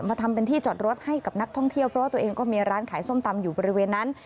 ทำเป็นที่จอดรถให้กับนักท่องเที่ยวเพราะว่าตัวเองก็มีร้านขายส้มตำอยู่บริเวณนั้น